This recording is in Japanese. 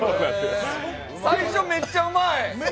最初めっちゃうまい！